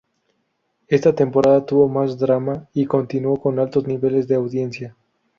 Esta temporada tuvo más drama y continuó con altos niveles de audiencia.